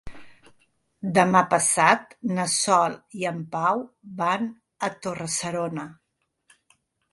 Demà passat na Sol i en Pau van a Torre-serona.